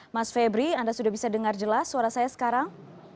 mas febri anda sudah bisa dengar jelas suara saya sekarang